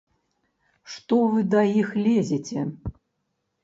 Што вы да іх лезеце?!